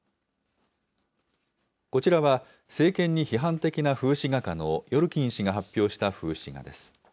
こちらは、政権に批判的な風刺画家のヨルキン氏が発表した風刺画です。